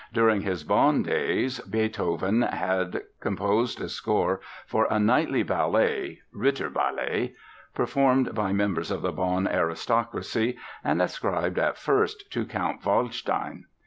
During his Bonn days Beethoven had composed a score for a "knightly ballet" (Ritterballet), performed by members of the Bonn aristocracy and ascribed at first to Count Waldstein.